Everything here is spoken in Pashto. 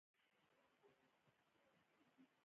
چې کوم ځای کې به کومه ژبه وي